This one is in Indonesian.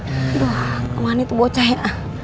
aduh kemahannya tuh bocah ya